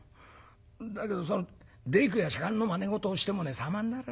だけど大工や左官のまね事をしてもね様にならねえんだ。